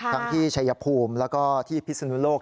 ทั้งที่เฉยพูมแล้วที่พิษนุโลก